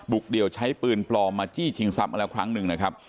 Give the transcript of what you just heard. เดี่ยวใช้ปืนปลอมมาจี้ชิงทรัพย์มาแล้วครั้งหนึ่งนะครับ